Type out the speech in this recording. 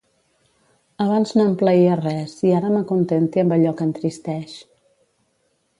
Abans no em plaïa res, i ara m'acontente amb allò que entristeix.